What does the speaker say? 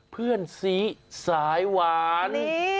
เพื่อนสีสายหวาน